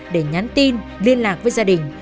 để nhắn tin liên lạc với gia đình